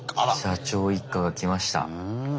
社長一家が来ました。